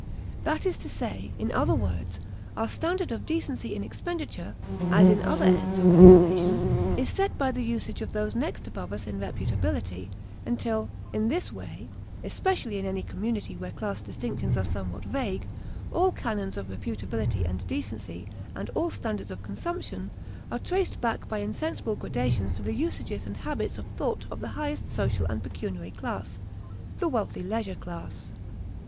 That is to say, in other words, our standard of decency in expenditure, as in other ends of emulation, is set by the usage of those next above us in reputability; until, in this way, especially in any community where class distinctions are somewhat vague, all canons of reputability and decency, and all standards of consumption, are traced back by insensible gradations to the usages and habits of thought of the highest social and pecuniary class the wealthy leisure class.